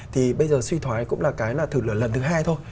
thì bây giờ suy thoái cũng là cái là thử lửa lần thứ hai thôi